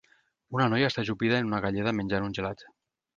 Una noia està ajupida en una galleda menjant un gelat.